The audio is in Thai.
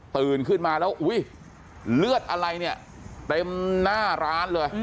ขึ้นมาแล้วอุ้ยเลือดอะไรเนี่ยเต็มหน้าร้านเลย